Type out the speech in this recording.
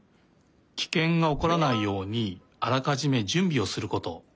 キケンがおこらないようにあらかじめじゅんびをすること。